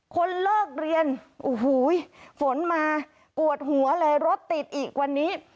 คนเลิกเรียนโอ้โหฝนมากวดหัวเลยรถติดอีกวันนี้